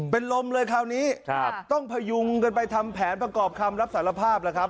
เป็นลมเลยคราวนี้ต้องพยุงกันไปทำแผนประกอบคำรับสารภาพแล้วครับ